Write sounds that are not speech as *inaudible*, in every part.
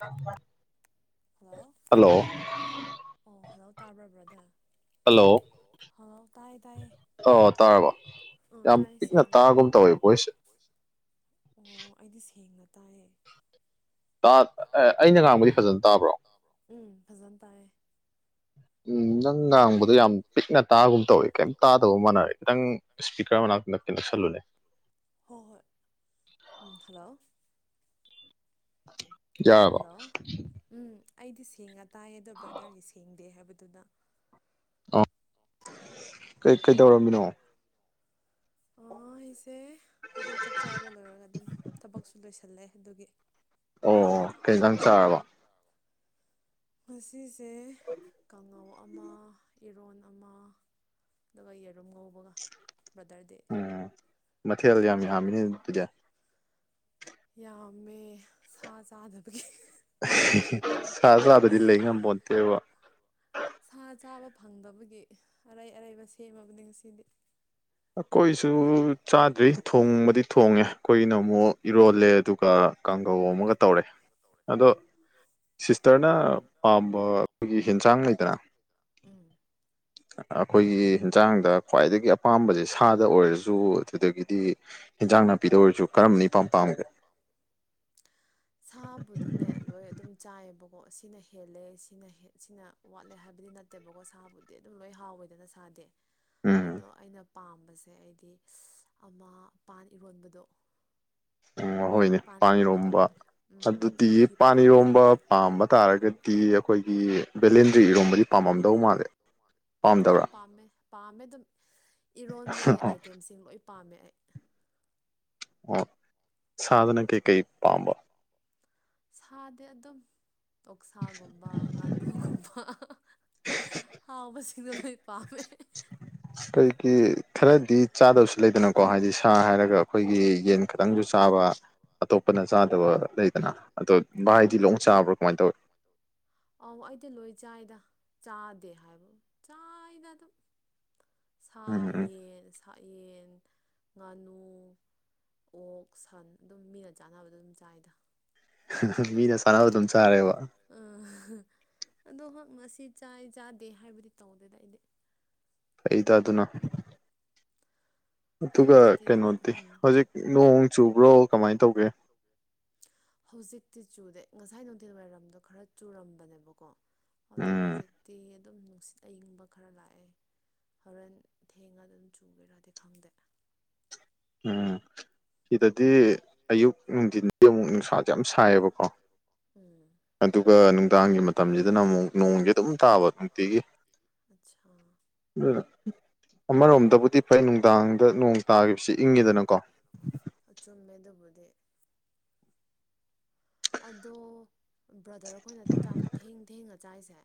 ꯑ ꯍꯜꯂꯣ ꯑꯣ ꯍꯜꯂꯣ ꯇꯥꯕ꯭ꯔꯕ꯭ꯔꯣꯗ ꯍꯜꯂꯣ ꯍꯥꯎ ꯀꯥꯏ ꯇꯥꯏ ꯑꯥ ꯇꯥꯏꯌꯦ ꯁꯦꯡꯅ ꯇꯥꯏ ꯑꯣ ꯑꯩꯗꯤ ꯁꯦꯡꯅ ꯇꯥꯏꯌꯦ ꯑꯩꯅ ꯉꯥꯡꯕꯗꯤ ꯐꯖꯅ ꯇꯥꯕ꯭ꯔꯣ ꯎꯝ ꯐꯖꯅ ꯇꯥꯏꯌꯦ ꯎꯝ ꯅꯪ ꯃꯗꯨ ꯌꯥꯝ ꯄꯤꯛꯅ ꯇꯥꯒꯨꯝ ꯇꯧꯏꯤ ꯀꯩꯝꯇ ꯇꯥꯗꯕ ꯃꯥꯟꯅꯔꯦ ꯈꯤꯇꯪ ꯏꯁꯄꯤꯀꯔ ꯃꯅꯥꯛꯇ ꯅꯛꯁꯜꯂꯨꯅꯦ ꯍꯣꯏ ꯍꯣꯏ ꯎꯝ ꯍꯜꯂꯣ ꯎ ꯍꯜꯂꯣ ꯎꯝ ꯑꯩꯗꯤ ꯁꯦꯡꯉ ꯇꯥꯏꯌꯦ ꯑꯗꯣ ꯕ꯭ꯔꯗꯔꯒꯤ ꯁꯦꯡꯗꯦ ꯍꯥꯏꯕꯗꯨꯅ ꯑ ꯑꯣ ꯍꯥꯏꯁꯦ ꯍꯧꯖꯤꯛ ꯆꯥꯛ ꯆꯥꯕ ꯂꯣꯏꯔꯒ ꯑꯗꯨꯝ ꯊꯕꯛꯁꯨ ꯂꯣꯏꯁꯤꯜꯂꯑꯦ ꯑꯗꯨꯒꯤ ꯑꯣ ꯀꯩꯇꯪ ꯆꯥꯔꯕ ꯉꯁꯤꯁꯦ ꯀꯥꯡꯉꯧ ꯑꯃ ꯏꯔꯣꯟ ꯑꯃ ꯑꯗꯨꯒ ꯌꯦꯔꯨꯝ ꯉꯧꯕꯒ ꯕ꯭ꯔꯗꯔꯗꯦ ꯎꯝ ꯃꯊꯦꯜ ꯌꯥꯝ ꯌꯥꯝꯃꯤꯅꯤ ꯑꯗꯨꯗ ꯌꯥꯝꯃꯦ ꯁꯥ ꯆꯥꯗꯕꯒꯤ ꯁꯥ ꯁꯥꯕꯗꯤ ꯂꯩ ꯉꯄꯣꯠꯇꯦꯕ ꯁꯥ ꯆꯥꯕ ꯐꯪꯗꯕꯒꯤ ꯑꯔꯩ ꯑꯔꯩꯕ ꯁꯦꯝꯃꯕꯅꯤ ꯉꯁꯤꯗꯤ ꯑꯩꯈꯣꯏꯁꯨ ꯆꯥꯗ꯭ꯔꯤ ꯊꯣꯡꯕꯗꯤ ꯊꯣꯡꯉꯦ ꯑꯩꯈꯣꯏꯅ ꯑꯃꯨꯛ ꯏꯔꯣꯜꯂꯦ ꯑꯗꯨꯒ ꯀꯥꯡꯒꯧ ꯑꯃꯒ ꯇꯧꯔꯦ ꯑꯗꯣ ꯁꯤꯁꯇꯔꯅ ꯄꯥꯝꯕ ꯑꯩꯈꯣꯏꯒꯤ ꯌꯦꯟꯁꯥꯡ ꯂꯩ ꯆꯥꯡ ꯎꯝ ꯑꯩꯈꯣꯏꯒꯤ ꯏꯟꯁꯥꯡꯗ ꯈ꯭ꯋꯥꯏꯗꯒꯤ ꯑ ꯄꯄꯥꯝꯕꯁꯦ ꯁꯥꯗ ꯑꯣꯏꯔꯁꯨ ꯑꯗꯨꯗꯒꯤꯗꯤ ꯑꯦꯟꯖꯥꯡ ꯅꯥꯄꯤꯗ ꯑꯣꯏꯔꯁꯨ ꯀꯔꯝꯕꯅꯄꯥꯝ ꯄꯥꯝꯒꯦ ꯁꯥꯕꯨꯗꯤꯅꯦ ꯂꯣꯏ ꯑꯗꯨꯝ ꯆꯥꯏꯌꯦꯕꯀꯣ ꯁꯤꯅ ꯍꯦꯜꯂꯦ ꯁꯤꯅ ꯁꯤꯅ ꯋꯥꯠꯂꯦ ꯍꯥꯏꯕꯗꯤ ꯅ ꯅꯠꯇꯦꯕꯀꯣ ꯁꯥꯕꯨꯗꯤ ꯑꯗꯨꯝ ꯂꯣꯏ ꯍꯥꯎꯋꯦꯗꯅ ꯁꯥꯗꯦ ꯑꯗꯣ ꯑꯩꯅ ꯄꯥꯝꯕꯁꯦ ꯑꯩꯗꯤ ꯑꯃꯄꯥꯟ ꯏꯔꯣꯟꯕꯗꯣ ꯎꯝ ꯑꯩꯍꯣꯏꯅꯦ ꯄꯥꯅꯤꯔꯣꯝꯕ ꯑꯗꯨꯗꯤ ꯄꯥꯅꯤꯔꯣꯝꯕ ꯄꯥꯝꯕ ꯇꯥꯔꯒꯗꯤ ꯇꯤ ꯑꯩꯈꯣꯏꯒꯤ ꯕꯦꯂꯦꯟꯗ꯭ꯔꯤ ꯏꯔꯣꯝꯕꯗꯤ ꯄꯥꯝꯃꯝꯗꯧ ꯃꯥꯜꯂꯦ ꯄꯥꯝꯗꯕ꯭ꯔꯥ ꯄꯥꯝꯃꯦ ꯑꯗꯨꯝ ꯏꯔꯣꯟꯕꯒꯤ ꯑꯥꯏꯇꯦꯝꯁꯤꯡ ꯂꯣꯏ ꯄꯥꯝꯃꯦ ꯑꯩ ꯑꯣ ꯁꯥꯗꯅ ꯀꯦ ꯀꯩ ꯄꯥꯝꯕ ꯁꯥꯗꯤ ꯑꯗꯨꯝ ꯇꯣꯛꯁꯥꯒꯨꯝꯕ ꯉꯥꯅꯨꯒꯨꯝꯕ ꯍꯥꯎꯕꯁꯤꯡꯗꯣ ꯂꯣꯏ ꯄꯥꯝꯃꯦ ꯀꯩꯒꯤ ꯈꯔꯗꯤ ꯆꯥꯗꯕꯁꯨ ꯂꯩꯗꯅꯀꯣ ꯍꯥꯏꯗꯤ ꯁꯥ ꯍꯥꯏꯔꯒ ꯑꯩꯈꯣꯏꯒꯤ ꯌꯦꯟ ꯈꯇꯪꯁꯨ ꯆꯥꯕ ꯑꯇꯣꯞꯄ ꯑꯄꯅ ꯆꯥꯗꯕ ꯂꯩꯗꯅ ꯑꯗꯣ ꯚꯥꯏꯗꯤ ꯂꯣꯡ ꯆꯥꯕ꯭ꯔꯥ ꯀꯃꯥꯏꯅ ꯇꯧꯋ ꯑꯧ ꯑꯩꯗꯤ ꯂꯣꯏ ꯆꯥꯏꯗ ꯆꯥꯗꯦ ꯍꯥꯏꯕ ꯆꯥꯏꯗ ꯑꯗꯨꯝ ꯁꯥ ꯌꯦꯟ ꯁꯥ ꯌꯦꯟ ꯉꯥꯅꯨ ꯑꯣꯛ ꯁꯟ ꯑꯗꯨꯝ ꯃꯤꯅ ꯆꯥꯅꯕꯗ ꯑꯗꯨꯝ ꯆꯥꯏꯗ ꯃꯤꯗ ꯍ ꯆꯔꯦ ꯑꯗꯣ ꯍꯛ ꯃꯁꯤ ꯆꯥꯏ ꯆꯥꯗꯦ ꯍꯥꯏꯕꯗꯤ ꯇꯧꯗꯦꯗ ꯑꯩꯗꯤ ꯑꯩ ꯇ ꯑꯗꯨꯅ ꯑꯗꯨꯒ ꯀꯩꯅꯣꯗꯤ ꯍꯧꯖꯤꯛ ꯅꯣꯡ ꯆꯨꯕ꯭ꯔꯣ ꯀꯃꯥꯏꯅ ꯇꯧꯒꯦ ꯍꯧꯖꯤꯛꯇꯤ ꯆꯨꯗꯦ ꯉꯁꯥꯏ ꯅꯨꯡꯊꯤꯜ ꯋꯥꯏꯔꯝꯗꯣ ꯈꯔ ꯆꯨꯔꯝꯕꯅꯦꯕꯀꯣ ꯑꯗꯣ ꯍꯧꯖꯤꯛꯇꯤ ꯑꯗꯨꯝ ꯅꯨꯡꯁꯤꯠ ꯑꯏꯪꯕ ꯈꯔ ꯂꯥꯛꯑꯦ ꯍꯣꯔꯦꯟ ꯊꯦꯡꯉꯒ ꯑꯗꯨꯝ ꯆꯨꯕꯤꯔꯗꯤ ꯈꯪꯗꯦ ꯎꯝ ꯁꯤꯗꯗꯤ ꯑꯌꯨꯛ ꯅꯨꯡꯊꯤꯟꯗꯤ ꯑꯃꯨꯛ ꯅꯨꯡꯁꯥꯁꯦ ꯌꯥꯝ ꯁꯥꯏꯌꯦꯕꯀꯣ ꯎꯝ ꯑꯗꯨꯒ ꯅꯨꯡꯗꯥꯡꯒꯤ ꯃꯇꯝꯁꯤꯗꯅ ꯑꯃꯨꯛ ꯅꯣꯡꯒꯤ ꯑꯗꯨꯝ ꯇꯥꯕ ꯅꯨꯡꯇꯤꯒꯤ ꯑꯆꯥꯥ ꯑꯗꯨ ꯑꯃꯔꯣꯝꯗꯕꯨꯗꯤ ꯐꯩ ꯅꯨꯡꯗꯥꯡꯗ ꯅꯣꯡ ꯇꯥꯈꯤꯕ ꯆꯨꯝꯃꯦ ꯑꯗꯨꯕꯨꯗꯤ ꯑꯗꯣ ꯕ꯭ꯔꯗꯔ ꯑꯩꯈꯣꯏꯅ ꯆꯥꯛ ꯊꯦꯡ ꯊꯦꯡꯉ ꯆꯥꯏꯁꯦ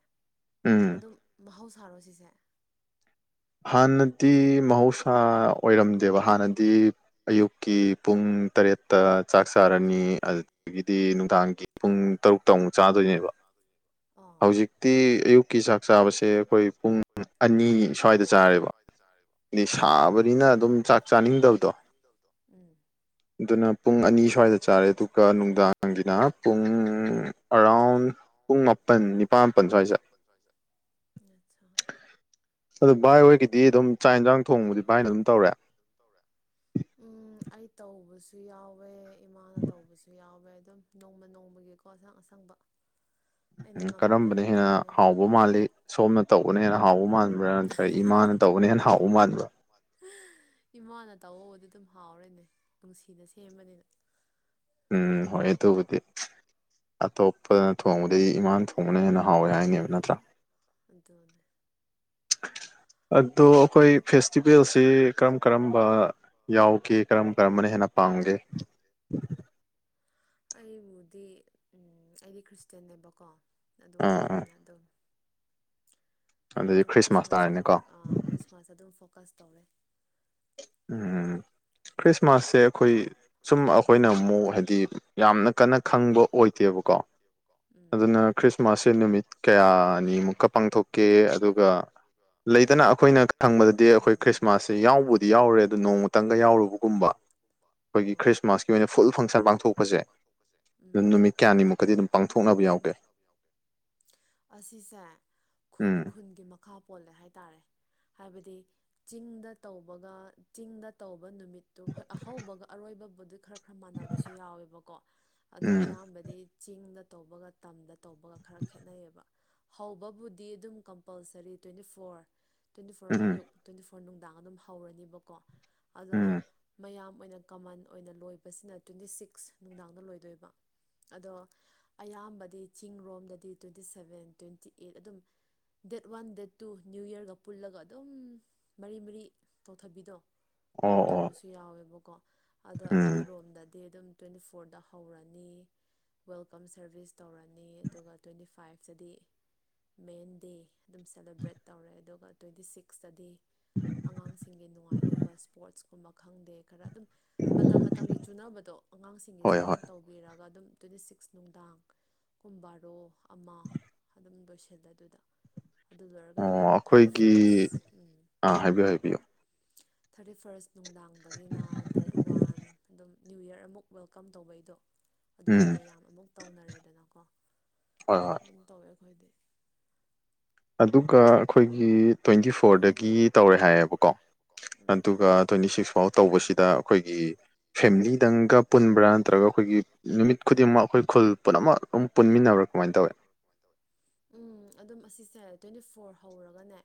ꯑꯗꯨꯝ ꯃꯍꯧ ꯁꯥꯔꯣ ꯁꯤꯁꯦ ꯍꯥꯟꯅꯗꯤ ꯃꯍꯧꯁꯥ ꯑꯣꯏꯔꯝꯗꯦꯕ ꯍꯥꯟꯅꯗꯤ ꯑꯌꯨꯛꯀꯤ ꯄꯨꯡ ꯇꯔꯦꯠꯇ ꯆꯥꯛ ꯆꯥꯔꯅꯤ ꯑꯗꯒꯤꯗꯤ ꯅꯨꯡꯗꯥꯡꯒꯤ ꯄꯨꯡ ꯇꯔꯨꯛ ꯇ ꯑꯃꯨꯛ ꯆꯥꯗꯣꯏꯅꯦꯕ ꯍꯧꯖꯤꯛꯇꯤ ꯑꯌꯨꯛꯀꯤ ꯆꯥꯛ ꯆꯥꯕꯁꯦ ꯑꯩꯈꯣꯏ ꯄꯨꯡ ꯑꯅꯤ ꯁꯋꯥꯏꯗ ꯁ꯭ꯋꯥꯏꯗ ꯆꯥꯔꯦꯕꯗ ꯁꯥꯕꯅꯤꯅ ꯑꯗꯨꯝ ꯆꯥꯛ ꯆꯥꯅꯤꯡꯗꯕꯗꯣ ꯑꯗꯨꯅ ꯄꯨꯡ ꯑꯅꯤ ꯁ꯭ꯋꯥꯏꯗ ꯆꯥꯔꯦ ꯑꯗꯨꯒ ꯅꯨꯡꯗꯥꯡꯒꯤꯅ ꯄꯨꯡ ꯑꯔꯥꯎꯟ ꯄꯨꯡ ꯃꯥꯄꯟ ꯅꯤꯄꯥꯜ ꯃꯥꯄꯜ ꯁ꯭ꯋꯥꯏꯁꯦ ꯑꯆꯥ ꯚꯥꯏ ꯑꯣꯏꯣꯏꯒꯤꯗꯤ ꯑꯗꯨꯝ ꯆꯥꯛ ꯌꯦꯟꯁꯥꯡ ꯊꯣꯡꯕꯕꯨ ꯚꯥꯏꯅ ꯑꯗꯨꯝ ꯇꯧꯔꯦ ꯇꯧꯔ *unintelligible* ꯑꯩ ꯇꯧꯕꯁꯨ ꯌꯥꯎꯋꯦ ꯏꯃꯥꯅ ꯇꯧꯕꯁꯨ ꯌꯥꯎꯋꯦ ꯑꯗꯨꯝ ꯅꯣꯡꯃ ꯅꯣꯡꯃꯒꯤꯀꯣ ꯑꯁꯪ ꯑꯁꯪꯕ ꯀꯔꯝꯕꯅ ꯍꯦꯟꯅ ꯍꯥꯎꯕ ꯃꯥꯜꯂꯤ ꯁꯣꯝꯅ ꯇꯧꯕꯅ ꯍꯦꯟꯅ ꯍꯥꯎꯕ ꯃꯥꯟꯕ꯭ꯔꯥ ꯅꯠꯇ꯭ꯔꯒ ꯏꯃꯥꯅ ꯇꯧꯕꯅ ꯍꯦꯟꯅ ꯍꯥꯎꯎ ꯃꯥꯟꯕ ꯏꯃꯥꯅ ꯇꯍꯧꯕꯗꯤ ꯑꯗꯨꯝ ꯍꯥꯎꯔꯦꯅꯦ ꯅꯨꯡꯁꯤꯅ ꯁꯦꯝꯕꯅꯤꯅ ꯎꯝ ꯍꯣꯏ ꯑꯗꯨꯕꯨꯗꯤ ꯑꯇꯣꯞꯄꯅ ꯊꯣꯡꯕꯗꯒꯤ ꯏꯃꯥꯟ ꯊꯣꯡꯕꯅ ꯍꯦꯟꯅ ꯍꯥꯎꯋꯦ ꯍꯥꯏꯅꯦꯕ ꯅꯠꯇ꯭ꯔꯥ ꯑꯗꯨꯅꯦ *unintelligible* ꯑꯗꯣ ꯑꯩꯈꯣꯏ ꯐꯦꯁꯇꯤꯚꯦꯜꯁꯤ ꯀꯔꯝ ꯀꯔꯝꯕ ꯌꯥꯎꯒꯦ ꯀꯔꯝ ꯀꯔꯝꯕꯅ ꯍꯦꯟꯅ ꯄꯥꯝꯒꯦ ꯐꯝꯒꯦ ꯎꯝ ꯑꯩꯕꯨꯗꯤ ꯑꯩꯗꯤ ꯈ꯭ꯔꯤꯁꯇꯟꯅꯦꯕꯀꯣ ꯑꯗꯨ ꯑꯣꯏꯕꯅꯤꯅ ꯑꯗꯨꯝ ꯑꯩ ꯑꯗꯨꯝ ꯈ꯭ꯔꯤꯁꯃꯥꯁꯄꯣ ꯈ꯭ꯔꯤꯁꯃꯥꯁꯇ ꯑꯗꯨꯝ ꯐꯣꯀꯁ ꯇꯧꯔꯦ ꯎꯝ ꯈ꯭ꯔꯤꯁꯃꯥꯁꯁꯦ ꯑꯩꯈꯣꯏ ꯁꯨꯝ ꯑꯩꯈꯣꯏꯅ ꯑꯃꯨꯛ ꯍꯥꯏꯗꯤ ꯌꯥꯝꯅ ꯀꯟꯅ ꯈꯪꯕ ꯑꯣꯏꯗꯦꯕꯀꯣ ꯑꯗꯨꯅ ꯈ꯭ꯔꯤꯁꯃꯥꯁꯁꯦ ꯅꯨꯃꯤꯠ ꯀꯌꯥꯅꯤꯃꯨꯛꯀ ꯄꯥꯡꯊꯣꯛꯀꯦ ꯑꯗꯨꯒ ꯂꯩꯇꯅ ꯑꯩꯈꯣꯏꯅ ꯈꯪꯕꯗꯗꯤ ꯑꯩꯈꯣꯏ ꯈ꯭ꯔꯤꯁꯃꯥꯁꯁꯤꯦ ꯌꯥꯎꯕꯨꯗꯤ ꯌꯥꯎꯔꯦ ꯑꯗꯨ ꯅꯣꯡꯃꯇꯪꯒ ꯌꯥꯎꯔꯨꯕꯒꯨꯝꯕ ꯑꯨꯝꯄ ꯑꯩꯈꯣꯏꯒꯤ ꯈ꯭ꯔꯤꯁꯃꯥꯁꯀꯤ ꯑꯣꯏꯅ ꯐꯨꯜ ꯐꯪꯁꯟ ꯄꯥꯡꯊꯣꯛꯄꯁꯦ ꯑꯗꯨꯝ ꯅꯨꯃꯤꯠ ꯀꯌꯥꯅꯤꯃꯨꯛꯗꯤ ꯑꯗꯨꯝ ꯄꯥꯡꯊꯣꯛꯅꯕ ꯌꯥꯎꯒꯦ ꯑꯁꯤꯁꯦ ꯈꯨꯟ ꯈꯨꯟꯒꯤ ꯃꯈ ꯃꯈꯥ ꯄꯣꯜꯂꯦ ꯍꯥꯏꯇꯥꯔꯦ ꯍꯥꯏꯕꯗꯤ ꯆꯤꯡꯗ ꯇꯧꯕꯒ ꯆꯤꯡꯗ ꯇꯧꯕ ꯅꯨꯃꯤꯠꯇꯨ ꯍꯣꯏ ꯑꯍꯧꯕꯒ ꯑꯔꯣꯏꯕꯕꯨꯗꯤ ꯈꯔ ꯈꯔ ꯃꯥꯟꯅꯕꯁꯨ ꯌꯥꯎꯋꯦꯕꯀꯣ ꯑꯗꯣ ꯑꯌꯥꯝꯕꯗꯤ ꯆꯤꯡꯗ ꯇꯧꯕꯒ ꯇꯝꯗ ꯇꯧꯕꯒ ꯈꯔ ꯈꯦꯠꯅꯩꯑꯕ ꯍꯧꯕꯕꯨꯗꯤ ꯑꯗꯨꯝ compulsory twenty four twenty four ꯑꯌꯨꯛ ꯇ꯭ꯋꯦꯟꯇꯤ ꯐꯣꯔ ꯅꯨꯡꯗꯥꯡ ꯑꯗꯨꯝ ꯍꯧꯔꯅꯦꯕꯀꯣ ꯑꯗꯣ ꯃꯌꯥꯝ ꯑꯣꯏꯅ ꯀꯃꯟ ꯑꯣꯏꯅ ꯂꯣꯏꯕꯁꯤꯅ ꯇ꯭ꯋꯦꯟꯇꯤ ꯁꯤꯛꯁ ꯅꯨꯡꯗꯥꯡꯗ ꯂꯣꯏꯗꯣꯏꯕ ꯑꯗꯣ ꯑꯌꯥꯝꯕꯗꯤ ꯆꯤꯡꯔꯣꯝꯗꯗꯤ ꯇ꯭ꯋꯦꯟꯇꯤ ꯁꯕꯦꯟ ꯇ꯭ꯋꯦꯟꯇꯤ ꯑꯩꯠ ꯑꯗꯨꯝ date one date two new ꯌꯔꯒ ꯄꯨꯜꯂꯒ ꯑꯗꯨꯝ ꯃꯔꯤ ꯃꯔꯤ ꯇꯧꯊꯕꯤꯗꯣ ꯑꯗꯨꯝ ꯇꯧꯕꯁꯨ ꯌꯥꯎꯋꯦꯕꯀꯣ ꯑꯗꯣ ꯑꯩꯈꯣꯏ ꯔꯣꯝꯗꯗꯤ ꯑꯗꯨꯝ ꯇ꯭ꯋꯦꯟꯇꯤ ꯐꯣꯔꯗ ꯍꯧꯔꯅꯤ ꯋꯦꯜꯀꯝ ꯁꯔꯚꯤꯁ ꯇꯧꯔꯅꯤ ꯑꯗꯨꯒ ꯇ꯭ꯋꯦꯟꯇꯤ ꯐꯥꯏꯞꯇꯗꯤ ꯃꯦꯟ ꯗꯦ ꯑꯗꯨꯝ ꯁꯦꯂꯦꯕ꯭ꯔꯦꯠ ꯇꯧꯔꯦ ꯑꯗꯨꯒ ꯇ꯭ꯋꯦꯟꯇꯤ ꯁꯤꯛꯁꯇꯗꯤ ꯑꯉꯥꯡꯁꯤꯡꯒꯤ ꯅꯨꯡꯉꯥꯏꯅꯕ ꯁ꯭ꯄꯣꯔꯠꯁ ꯀꯨꯝꯕ ꯈꯪꯗꯦ ꯈꯔ ꯑꯗꯨꯝ ꯃꯇꯝ ꯃꯇꯝꯒꯤ ꯆꯨꯅꯕꯗꯣ ꯑꯉꯥꯡꯁꯤꯡꯒꯤꯁꯨ ꯑꯗꯨꯝ ꯇꯧꯕ ꯎꯤꯔꯒ ꯑꯗꯨꯝ ꯇ꯭ꯋꯦꯟꯇꯤ ꯁꯤꯛꯁ ꯅꯨꯡꯗꯥꯡ ꯀꯨꯝꯕꯥꯔꯣ ꯑꯃ ꯑꯗꯨꯝ ꯂꯣꯏꯁꯤꯜꯂꯦ ꯑꯗꯨꯗ ꯑꯗꯨ ꯂꯣꯏꯔꯒꯗꯤ ꯑꯃꯨꯛ ꯊꯥꯔꯇꯤ ꯐꯥꯔꯁ ꯎꯝ ꯊꯥꯔꯇꯤ ꯐꯥꯔꯁ ꯅꯨꯡꯗꯥꯡꯗꯒꯤꯅ ꯗꯦꯠ ꯋꯥꯟ ꯑꯗꯨꯝ ꯅ꯭ꯌꯨ ꯌꯔ ꯑꯃꯨꯛ ꯋꯦꯜꯀꯝ ꯇꯧꯕꯩꯗꯣ ꯑꯗꯨꯗꯤ ꯃꯌꯥꯝ ꯑꯃꯨꯛ ꯇꯧꯅꯔꯦꯗꯅꯀꯣ ꯑꯗꯨꯝ ꯇꯧꯋꯦ ꯑꯩꯈꯣꯏꯗꯤ ꯑꯗꯨꯒ ꯑꯩꯈꯣꯏꯒꯤ ꯇ꯭ꯋꯦꯟꯇꯤ ꯐꯣꯔꯗꯒꯤ ꯇꯧꯔꯦ ꯍꯥꯏꯌꯦꯕꯀꯣ ꯑꯗꯨꯒ ꯇ꯭ꯋꯦꯟ ꯁꯤꯛꯁ ꯐꯥꯎ ꯇꯧꯕꯁꯤꯗ ꯑꯩꯈꯣꯏꯒꯤ ꯐꯦꯃꯤꯂꯤꯗꯪꯒ ꯄꯨꯟꯕ꯭ꯔꯥ ꯅꯠꯇ꯭ꯔꯒ ꯑꯩꯈꯣꯏꯒꯤ ꯅꯨꯃꯤꯠ ꯈꯨꯗꯤꯡꯃꯛ ꯑꯩꯈꯣꯏ ꯈꯨꯜ ꯄꯨꯝꯅꯃꯛ ꯑꯗꯨꯝ ꯄꯨꯟꯃꯤꯕ꯭ꯔꯥ ꯀꯃꯥꯏꯅ ꯇꯧꯋꯦ ꯎꯝ ꯑꯗꯨꯝ ꯑꯁꯤꯁꯦ ꯇ꯭ꯋꯦꯟꯇꯤ ꯐꯣꯔ ꯍꯧꯔꯒꯅꯦ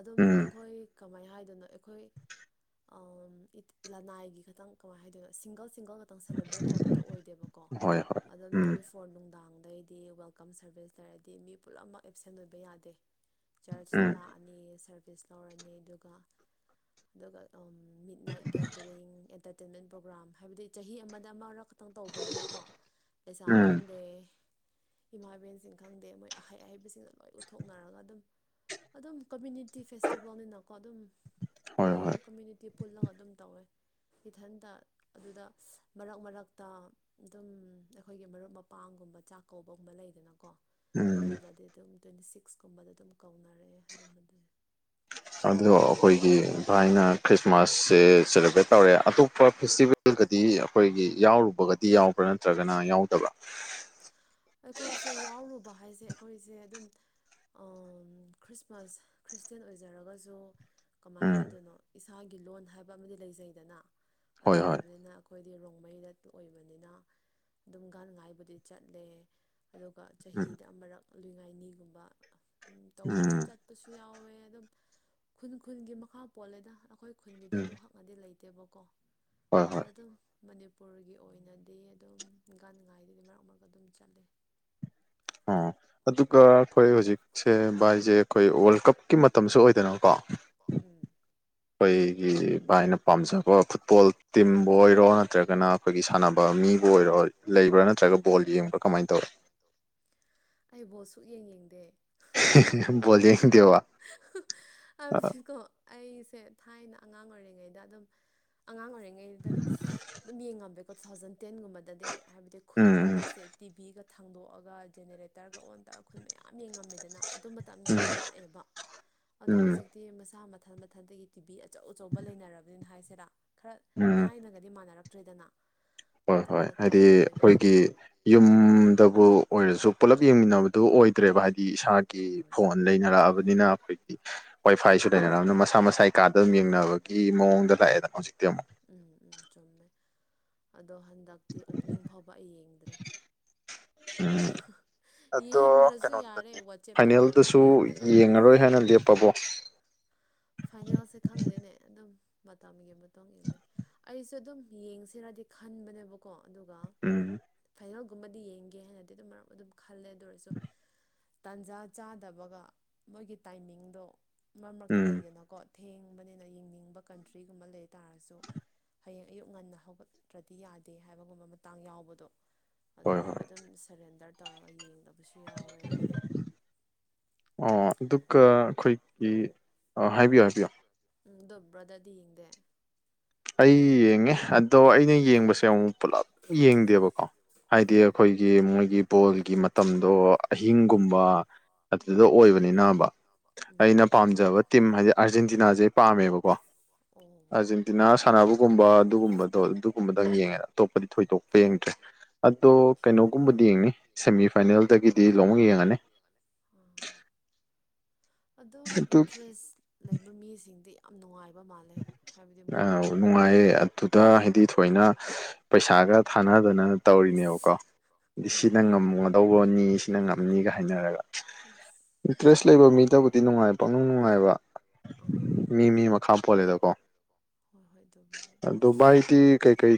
ꯑꯗꯨꯝ ꯑꯩꯈꯣꯏ ꯀꯃꯥꯏ ꯍꯥꯏꯗꯅꯣ ꯑꯩꯈꯣꯏ ꯑ ꯂꯅꯥꯏꯒꯤ ꯈꯈꯤꯇꯪ ꯀꯃꯥꯏ ꯍꯥꯏꯗꯣꯏꯅꯣ ꯁꯤꯡꯒꯜ ꯁꯤꯡꯒꯜ ꯈꯤꯇꯪ ꯁꯦꯂꯦꯕ꯭ꯔꯦꯠ ꯇꯧꯕꯗꯣ ꯑꯣꯏꯗꯦꯕꯀꯣ ꯑꯗꯨꯝ ꯇ꯭ꯋꯦꯟꯇꯤ ꯐꯣꯔ ꯅꯨꯡꯗꯥꯡꯗꯩꯗꯤ ꯋꯦꯜꯀꯝ ꯁꯔꯚꯤꯁꯁ ꯂꯩꯔꯗꯤ ꯃꯤ ꯄꯨꯝꯅꯃꯛ ꯑꯦꯞꯁꯦꯟ ꯑꯣꯏꯕ ꯌꯥꯗꯦ ꯆꯔꯆꯇ ꯂꯥꯛꯑꯅꯤ ꯁꯔꯚꯤꯁ ꯂꯧꯔꯅꯤ ꯑꯗꯨꯒ ꯑꯗꯨꯒ meet night gathering entertainment programme ꯍꯥꯏꯕꯗꯤ ꯆꯍꯤ ꯑꯃꯗ ꯑꯃꯛ ꯈꯤꯇꯪ ꯇꯧꯕꯅꯤꯅꯀꯣ ꯄꯩꯁꯥ ꯈꯪꯗꯦ ꯏꯃꯥ ꯏꯕꯦꯟꯁꯤꯡ ꯈꯪꯗꯦ ꯃꯣꯏ ꯑꯍꯩ ꯑꯍꯩꯕꯁꯤꯡꯅ ꯂꯣꯏ ꯎꯠꯊꯣꯛꯅꯔꯒ ꯑꯗꯨꯝ ꯑꯗꯨꯝ ꯀꯃꯨꯅꯤꯇꯤ ꯐꯦꯁꯇꯤꯚꯦꯜꯅꯤꯅꯀꯣ ꯑꯗꯨꯝ ꯂꯣꯏꯅꯃꯛ ꯅꯤꯠꯇꯤ ꯄꯨꯜꯂꯒ ꯑꯗꯨꯝ ꯇꯧꯋꯦ ꯏꯊꯟꯇ ꯑꯗꯨꯗ ꯃꯔꯛ ꯃꯔꯛꯇ ꯗꯨꯝ ꯑꯩꯈꯣꯏꯒꯤ ꯃꯔꯨꯞ ꯃꯄꯥꯡꯒꯨꯝꯕ ꯆꯥꯛꯀꯧꯕꯒꯨꯝꯕ ꯂꯩꯗꯅꯀꯣ ꯑꯗꯨꯗꯗꯤ ꯑꯗꯨꯝ ꯇ꯭ꯋꯦꯟꯇꯤ ꯁꯤꯛꯁꯀꯨꯝꯕꯗ ꯑꯗꯨꯝ ꯀꯧꯅꯔꯛꯑꯦ ꯑꯗꯨꯃꯗꯤ ꯑꯗꯣ ꯑꯈꯣꯏꯒꯤ ꯚꯥꯏꯅ ꯈ꯭ꯔꯤꯁꯃꯥꯁꯁꯦ ꯁꯦꯂꯦꯕ꯭ꯔꯦꯠ ꯇꯧꯔꯦ ꯑꯇꯣꯞꯄ ꯐꯦꯁꯇꯤꯚꯦꯜꯒꯗꯤ ꯑꯩꯈꯣꯏꯒꯤ ꯌꯥꯎꯔꯨ- ꯕꯒꯗꯤ ꯌꯥꯎꯕ꯭ꯔꯥ ꯅꯠꯇ꯭ꯔꯒꯅ ꯌꯥꯎꯗꯕ꯭ꯔꯥ ꯑꯩꯈꯣꯏꯁꯦ ꯌꯥꯎꯔꯨꯕ ꯍꯥꯏꯁꯦ ꯑꯩꯈꯣꯏꯁꯦ ꯑꯗꯨꯝ ꯑꯥꯝ ꯈ꯭ꯔꯤꯁꯃꯥꯁ ꯈ꯭ꯔꯤꯁꯇꯦꯟ ꯑꯣꯏꯖꯔꯒꯁꯨ ꯀꯃꯥꯏꯅ ꯍꯥꯏꯗꯣꯏꯅꯣ ꯏꯁꯥꯒꯤ ꯂꯣꯟ ꯍꯥꯏꯕ ꯑꯃꯗꯤ ꯂꯩꯖꯩꯗꯅ ꯑꯗꯨ ꯑꯣꯏꯕꯅꯤꯅ ꯈꯣꯏꯗꯤ ꯔꯣꯡꯃꯩꯗ ꯑꯣꯏꯕꯅꯤꯅ ꯑꯗꯨꯝ ꯒꯥꯟ ꯉꯥꯏꯕꯨꯗꯤ ꯆꯠꯂꯦ ꯑꯗꯨꯒ ꯆꯍꯤꯗ ꯑꯃꯔꯛ ꯂꯨꯏ ꯉꯥꯏꯅꯤꯒꯨꯝꯕ ꯎꯝ ꯇꯧꯕꯁꯨ ꯆꯠꯄꯁꯨ ꯌꯥꯎꯋꯦ ꯑꯗꯨꯝ ꯈꯨꯟ ꯈꯨꯟꯒꯤ ꯃꯈꯥ ꯄꯣꯜꯂꯦꯗ ꯑꯈꯣꯏ ꯈꯨꯟꯒꯤꯗꯤ ꯑꯗꯨ ꯍꯛꯅꯗꯤ ꯂꯩꯇꯦꯕꯀꯣ ꯑꯗ ꯑꯗꯨꯝ ꯃꯅꯤꯄꯨꯔꯒꯤ ꯑꯣꯏꯅꯗꯤ ꯑꯗꯨꯝ ꯒꯥꯟ ꯉꯥꯏꯗꯤ ꯃꯔꯛ ꯃꯔꯛ ꯑꯗꯨꯝ ꯆꯠꯂꯦ ꯑꯣ ꯑꯗꯨꯒ ꯑꯩꯈꯣꯏ ꯍꯧꯖꯤꯛꯁꯦ ꯚꯥꯏꯁꯦ ꯑꯩꯈꯣꯏ ꯋꯥꯔꯜ ꯀꯞꯀꯤ ꯃꯇꯝꯁꯨ ꯑꯣꯏꯗꯅꯀꯣ ꯀꯣ ꯎꯝ ꯈꯣꯏꯒꯤ ꯚꯥꯏꯅ ꯄꯥꯝꯖꯕ ꯐꯨꯠꯕꯣꯜ ꯇꯤꯝꯕꯨ ꯑꯣꯏꯔꯣ ꯅꯠꯇ꯭ꯔꯒꯅ ꯈꯣꯏꯒꯤ ꯁꯥꯟꯅꯕ ꯃꯤꯕꯨ ꯑꯣꯏꯔꯣ ꯂꯩꯕ꯭ꯔꯥ ꯅꯠꯇ꯭ꯔꯒ ꯕꯣꯜ ꯌꯦꯡꯕ꯭ꯔꯥ ꯀꯃꯥꯏꯅ ꯇꯧꯋꯦ ꯑꯩ ꯕꯣꯜ ꯁꯨꯛ ꯌꯦꯡ ꯌꯦꯡꯗꯦ *unintelligible* ꯕꯣꯜ ꯌꯦꯡꯗꯦꯕ ꯑꯥ ꯑꯩꯁꯦ ꯊꯥꯏꯅ ꯑꯉꯥꯡ ꯑꯣꯏꯔꯤꯉꯩꯗ ꯑꯗꯨꯝ ꯑꯉꯥꯡ ꯑꯣꯏꯔꯤ- ꯉꯩꯗꯗꯤ ꯑꯗꯨꯝ ꯌꯦꯡꯉꯝꯃꯦ ꯇꯨ ꯊꯥꯎꯖꯟ ꯇꯦꯟꯒꯨꯝꯕꯗꯗꯤ ꯍꯥꯏꯕꯗꯤ ꯈꯨꯟꯗ ꯀꯥꯁꯦ ꯇꯤꯚꯤꯒ ꯊꯥꯡꯗꯣꯛꯑꯒ ꯖꯦꯅꯦꯔꯦꯇꯔꯒ ꯑꯣꯟ ꯇꯧꯔꯒ ꯈꯨꯟ ꯃꯌꯥꯝ ꯌꯦꯡꯉꯝꯃꯦꯗꯅ ꯑꯗꯨ ꯃꯠ- ꯇꯝꯗꯤ ꯅꯨꯡꯉꯥꯏꯑꯦꯕ ꯑꯗꯣ ꯍꯧꯖꯤꯛꯇꯤ ꯃꯁꯥ ꯃꯊꯟ ꯃꯊꯟꯗꯒꯤ ꯇꯤꯚꯤ ꯑꯆꯧ ꯑꯆꯧꯕ ꯂꯩꯅꯔꯕꯅꯤꯅ ꯍꯥꯏꯁꯤꯔꯥ ꯈꯔ ꯊꯥꯏꯅꯒꯗꯤ ꯃꯥꯟꯅꯔꯛꯇ꯭ꯔꯦꯗꯅ ꯍꯣꯏ ꯍꯣꯏ ꯍꯥꯏꯗꯤ ꯑꯈꯣꯏꯒꯤ ꯌꯨꯝꯗꯕꯨ ꯑꯣꯏꯔꯁꯨ ꯄꯨꯂꯞ ꯌꯦꯡꯃꯤꯟꯅꯕꯗꯨ ꯑꯣꯏꯗ꯭ꯔꯦꯕ ꯍꯥꯏꯗꯤ ꯏꯁꯥꯒꯤ ꯐꯣꯟ ꯂꯩꯅꯔꯛꯑꯕꯅꯤꯅ ꯑꯈꯣꯏ ꯋꯥꯏ ꯐꯥꯏꯁꯨ ꯂꯩꯅꯔꯝꯅ ꯃꯁꯥ ꯃꯁꯥꯒꯤ ꯀꯥꯗ ꯑꯗꯨꯝ ꯌꯦꯡꯅꯕꯒꯤ ꯃꯑꯣꯡꯗ ꯂꯥꯛꯑꯦꯗꯅ ꯍꯧꯖꯤꯛꯇꯤ ꯑꯃꯨꯛ ꯎꯝ ꯎꯝ ꯆꯨꯝꯃꯦ ꯑꯗꯣ ꯍꯟꯗꯛꯇꯤ ꯑꯣꯄꯅꯤꯡ ꯐꯥꯎꯕ ꯑꯩ ꯌꯦꯡꯗ꯭ꯔꯦ ꯎꯝ ꯑꯗꯣ ꯀꯩꯅꯣꯗꯗꯤ ꯐꯥꯏꯅꯦꯜꯗꯨꯁꯨ ꯌꯦꯡꯉꯔꯣꯏ ꯍꯥꯏꯅ ꯂꯦꯞꯄꯕꯣ *inaudible* ꯐꯥꯏꯅꯦꯜꯁꯦ ꯈꯪꯗꯦꯅꯦ ꯑꯗꯨꯝ ꯃꯇꯝꯒꯤ ꯃꯇꯨꯡ ꯏꯜꯂꯤ ꯑꯩꯁꯨ ꯑꯗꯨꯝ ꯌꯦꯡꯁꯤꯔꯗꯤ ꯈꯟꯕꯅꯦꯕ ꯀꯣ ꯑꯗꯨꯒ ꯐꯥꯏꯅꯦꯜꯒꯨꯝꯕꯗꯤ ꯌꯦꯡꯒꯦ ꯍꯥꯏꯅꯗꯤ ꯑꯗꯨꯝ ꯃꯔꯛ ꯑꯗꯨꯝ ꯈꯜꯂꯦ ꯑꯗꯨ ꯑꯣꯏꯔꯁꯨ ꯇꯥꯟꯖꯥ ꯆꯥꯗꯕꯒ ꯃꯣꯏꯒꯤ ꯇꯥꯏꯃꯤꯡꯗꯣ ꯃꯔꯛ ꯃꯔꯛꯇ ꯂꯩꯗꯅꯀꯣ ꯊꯦꯡꯕꯅꯤꯅ ꯌꯦꯡꯅꯤꯡꯕ ꯀꯟꯇ꯭ꯔꯤꯒꯨꯝꯕ ꯂꯩ ꯇꯥꯔꯁꯨ ꯍꯌꯦꯡ ꯑꯌꯨꯛ ꯉꯟꯅ ꯍꯧꯒꯠꯇ꯭ꯔꯗꯤ ꯌꯥꯗꯦ ꯍꯥꯏꯕꯒꯨꯝꯕ ꯃꯇꯥꯡ ꯌꯥꯎꯕꯗꯣ ꯑꯗꯨ ꯑꯣꯏꯕ ꯑꯗꯨꯝ ꯁꯔꯦꯟꯗꯔ ꯇꯧꯔꯒ ꯌꯦꯡꯗꯕ *unintelligible* ꯑꯣ ꯑꯗꯨꯒ ꯑꯩꯈꯣꯏꯒꯤ ꯑꯥ ꯍꯥꯏꯕꯤꯌꯣ *unintelligible* ꯎꯝ ꯗꯣ ꯕ꯭ꯔꯥꯗꯗꯤ ꯌꯦꯡꯗꯦ ꯑꯩ ꯌꯦꯡꯉꯦ ꯑꯗꯣ ꯑꯩꯅ ꯌꯦꯡꯕꯁꯦ ꯑꯃꯨꯛ ꯄꯨꯂꯞ ꯌꯦꯡꯗꯦꯕꯀꯣ ꯍꯥꯏꯗꯤ ꯑꯩꯈꯣꯏꯒꯤ ꯃꯣꯏꯒꯤ ꯕꯣꯜꯒꯤ ꯃꯇꯝꯗꯣ ꯑꯍꯤꯡꯒꯨꯝꯕ ꯑꯗꯨꯗ ꯑꯣꯏꯕꯅꯤꯅꯕ ꯅꯕ ꯎꯝ ꯑꯩꯅ ꯄꯥꯝꯖꯕ ꯇꯤꯝꯗ ꯑꯥꯔꯖꯦꯟꯇꯤꯅꯥꯁꯦ ꯄꯥꯝꯃꯦꯕꯀꯣ ꯑꯣ ꯑꯥꯔꯖꯦꯟꯇꯤꯅꯥ ꯁꯥꯟꯅꯕꯒꯨꯝꯕ ꯑꯗꯨꯒꯨꯝꯕꯗꯣ ꯑꯗꯨꯒꯨꯝꯕꯗꯪ ꯌꯦꯡꯉꯦ ꯑꯇꯣꯞꯄꯗꯤ ꯊꯣꯏꯗꯣꯛꯇꯦ ꯌꯦꯡꯗ꯭ꯔꯦ ꯑꯗꯣ ꯀꯩꯅꯣꯒꯨꯝꯕꯗꯤ ꯌꯦꯡꯅꯤ ꯁꯦꯃꯤꯐꯥꯏꯅꯦꯜꯗꯒꯤꯗꯤ ꯂꯣꯡꯎꯝ ꯌꯦꯡꯉꯅꯤ ꯎꯝ ꯑꯗꯨꯝ ꯏꯟꯇꯔꯦꯁ ꯂꯩꯕ ꯃꯤꯁꯤꯡꯗꯤ ꯌꯥꯝ ꯅꯨꯡꯉꯥꯏꯕ ꯃꯥꯜꯂꯦ ꯍꯥꯏꯕꯗꯤ ꯃꯣꯏꯒꯣ ꯅꯨꯡꯉꯥꯏꯌꯦ ꯑꯗꯨꯗ ꯍꯥꯏꯗꯤ ꯊꯣꯏꯅ ꯄꯩꯁꯥꯒ ꯊꯥꯅꯗꯅ ꯇꯧꯔꯤꯅꯦꯕꯀꯣ ꯁꯤꯅ ꯉꯝꯒꯗꯧꯕ ꯅꯤꯁꯤꯅ ꯉꯝꯅꯤꯒ ꯍꯥꯏꯅꯔꯒ ꯏꯟꯇꯔꯦꯁ ꯂꯩꯕ ꯃꯤꯗꯕꯨꯗꯤ ꯅꯨꯡꯉꯥꯏ ꯄꯛꯅꯨꯡ ꯅꯨꯡꯉꯥꯏꯕ ꯃꯤꯃꯤ ꯃꯈꯥ ꯄꯣꯜꯂꯦꯕꯀꯣ ꯍꯣꯏ ꯍꯣꯏ ꯑꯗꯨꯝ ꯑꯗꯨ ꯚꯥꯏꯗꯤ ꯀꯩꯀꯩ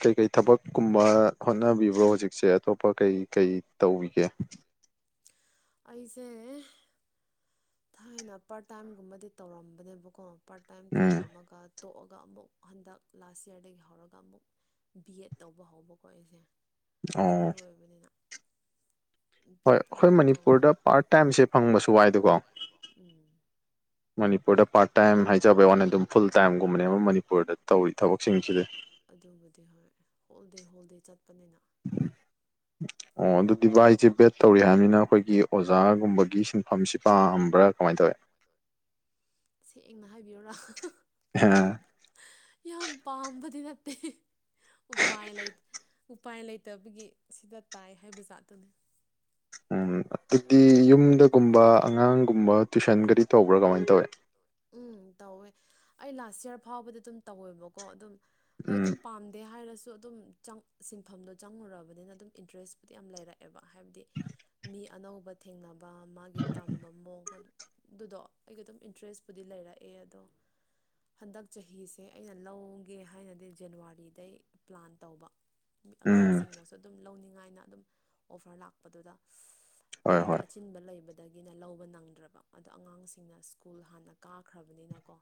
ꯀꯩꯀꯩ ꯊꯕꯛꯀꯨꯝꯕ ꯍꯣꯠꯅꯕꯤ ꯕ꯭ꯔꯣ ꯍꯧꯖꯤꯛꯁꯦ ꯑꯇꯣꯞꯄ ꯀꯩ ꯀꯩ ꯇꯧꯕꯤꯒꯦ ꯑꯩꯁꯦ ꯊꯥꯏꯅ ꯄꯥꯔꯠ ꯇꯥꯏꯝꯒꯨꯝꯕꯗꯤ ꯇꯧꯔꯝꯕꯅꯦꯕꯀꯣ ꯄꯥꯔꯠ ꯇꯥꯏꯝ ꯇꯧꯔꯝꯃꯒ ꯇꯣꯛꯑꯒ ꯑꯃꯨꯛ ꯍꯟꯗꯛ ꯂꯥꯁ ꯌꯥꯔꯗꯒꯤ ꯍꯧꯔꯒ ꯑꯃꯨꯛ ꯕꯤ ꯑꯦꯠ ꯇꯧꯕ ꯍꯧꯕꯀꯣ ꯑꯩꯁꯦ ꯑꯗꯨ ꯑꯣꯏꯕꯅꯤꯅ ꯍꯣꯏ ꯑꯩꯈꯣꯏ ꯃꯅꯤꯄꯨꯔꯗ ꯄꯥꯔꯠ ꯇꯥꯏꯝꯁꯦ ꯐꯪꯕꯁꯨ ꯋꯥꯏꯗ ꯕꯁꯨ ꯋꯥꯏꯗꯀꯣ ꯎꯝ ꯃꯅꯤꯄꯨꯔꯗ ꯄꯥꯔꯠ ꯇꯥꯏꯝ ꯍꯥꯏꯖꯕ ꯋꯥꯅꯤ ꯑꯗꯨꯝ ꯐꯨꯜ ꯇꯥꯏꯝꯒꯨꯝꯕꯅꯦ ꯑꯃ ꯃꯅꯤꯄꯨꯔꯗ ꯇꯧꯏ ꯊꯕꯛꯁꯤꯡꯁꯤꯗꯤ ꯑꯗꯨꯕꯨꯗꯤ ꯍꯣꯏ ꯍꯣꯜꯗꯦ ꯍꯣꯜꯗꯦ ꯆꯠꯄꯅꯤꯅ ꯑꯣ ꯑꯗꯨꯗꯤ ꯚꯥꯏ ꯖꯤ ꯕꯦꯠ ꯇꯧꯔꯤ ꯍꯥꯏꯕꯅꯤꯅ ꯑꯩꯈꯣꯏꯒꯤ ꯑꯣꯖꯥꯒꯨꯝꯕꯒꯤ ꯁꯤꯟꯐꯝꯁꯤ ꯄꯥꯝꯕ꯭ꯔꯥ ꯀꯃꯥꯏꯅ ꯇꯧꯋꯤ ꯁꯦꯡꯅ ꯍꯥꯏꯕꯤꯌꯨꯔꯥ ꯍꯥꯥ ꯌꯥꯝ ꯄꯥꯝꯕꯗꯤ ꯅꯠꯇꯦ ꯎꯄꯥꯏ ꯂꯩ ꯎꯄꯥꯏ ꯂꯩꯇꯕꯒꯤ ꯁꯤꯗ ꯇꯥꯏ ꯍꯥꯏꯕ ꯖꯥꯠꯇꯅꯤ ꯎꯝ ꯑꯗꯨꯗꯤ ꯌꯨꯝꯗꯒꯨꯝꯕ ꯑꯉꯥꯡꯒꯨꯝꯕ ꯇꯨꯏꯁꯟꯒꯗꯤ ꯇꯧꯕ꯭ꯔꯥ ꯀꯃꯥꯏꯅ ꯇꯧꯋꯦ ꯎꯝ ꯇꯧꯋꯦ ꯑꯩ ꯂꯥꯁ ꯌꯔ ꯐꯥꯎꯕꯗ ꯑꯗꯨꯝ ꯇꯧꯋꯦꯕꯀꯣ ꯑꯗꯨꯝ ꯍꯣꯏ ꯑꯗꯨꯝ ꯄꯥꯝꯗꯦ ꯍꯥꯏꯔꯁꯨ ꯑꯗꯨꯝ ꯪ ꯁꯤꯟꯐꯝꯗꯣ ꯆꯪꯉꯨꯔꯕꯅꯤꯅ ꯑꯗꯨꯝ ꯏꯟꯇꯔꯦꯁꯄꯨꯗꯤ ꯌꯥꯝ ꯂꯩꯔꯦ ꯑꯦꯕ ꯍꯥꯏꯕꯗꯤ ꯃꯤ ꯑꯅꯧꯕ ꯊꯦꯡꯅꯕ ꯃꯥꯒꯤ ꯇꯝꯕ ꯃꯑꯣꯡ ꯑꯗꯨꯗꯣ ꯑꯩꯒ ꯑꯗꯨꯝ ꯏꯟꯇꯔꯦꯁꯄꯨꯗꯤ ꯂꯩꯔꯛꯑꯦ ꯑꯗꯣ ꯍꯟꯗꯛ ꯆꯍꯤꯁꯦ ꯑꯩꯅ ꯂꯧꯒꯦ ꯍꯥꯏꯅꯗꯤ ꯖꯅꯋꯥꯔꯤꯗꯩ ꯄ꯭ꯂꯥꯟ ꯇꯧꯕ ꯑꯉꯥꯡꯁꯤꯡꯅꯁꯨ ꯑꯗꯨꯝ ꯂꯧꯅꯤꯡꯉꯥꯏꯅ ꯑꯗꯨꯝ ꯑꯣꯐꯔ ꯂꯥꯛꯄꯗꯨꯗ ꯌꯨꯝꯒꯤ ꯑꯆꯤꯟꯕ ꯂꯩꯕꯗꯒꯤꯅ ꯂꯧꯕ ꯅꯪꯗ꯭ꯔꯕ ꯑꯗꯣ ꯑꯉꯥꯡꯁꯤꯡ ꯁꯤꯡꯅ ꯁ꯭ꯀꯨꯜ ꯍꯥꯟꯅ ꯀꯥꯈ꯭ꯔꯕꯅꯤꯅꯀꯣ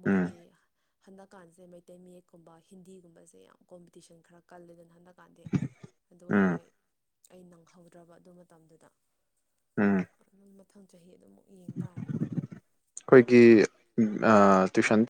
ꯃꯣꯏꯗꯤ ꯍꯟꯗꯛꯀꯥꯟꯁꯦ ꯃꯩꯇꯩ ꯃꯌꯦꯛꯀꯨꯝꯕ ꯍꯤꯟꯗꯤꯒꯨꯝꯕꯁꯦ ꯌꯥꯝ ꯀꯣꯝꯄꯤꯇꯤꯁꯟ ꯈꯔ ꯀꯜꯂꯦꯗꯅ ꯍꯟꯗꯛ ꯀꯥꯟꯗꯦ ꯑꯗꯨ ꯑꯣꯏꯕꯩ ꯑꯩ ꯅꯪꯍꯧꯗ꯭ꯔꯕ ꯑꯗꯨ ꯃꯇꯝꯗꯨꯗ ꯎꯝ ꯑꯗꯨꯝ ꯃꯊꯪ ꯆꯍꯤ ꯑꯗꯨꯝꯃꯨꯛ ꯌꯦꯡ ꯇꯥꯔꯦ ꯑꯩꯈꯣꯏꯒꯤ ꯑꯥ ꯇ꯭ꯋꯤꯁꯟ